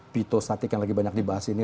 bito statik yang lagi banyak dibahas ini